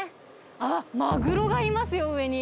あっ、マグロがいますよ、上に。